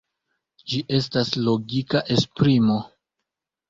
Ĝi estas logika esprimo.